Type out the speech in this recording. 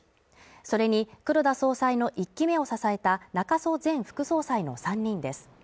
それに黒田総裁の１期目を支えた中曽前副総裁の３人です